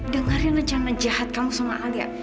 dengarin rencana jahat kamu sama alia